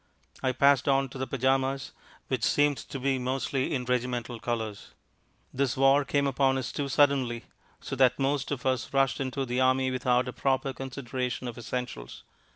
I passed on to the pyjamas, which seemed to be mostly in regimental colours. This war came upon us too suddenly, so that most of us rushed into the army without a proper consideration of essentials.